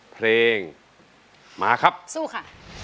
เพลงมาครับสู้ค่ะ